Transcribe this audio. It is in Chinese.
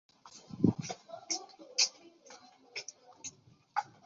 他们还与尼泊尔联合共产党否认此种说法。